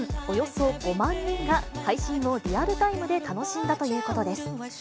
およそ５万人が、配信をリアルタイムで楽しんだということです。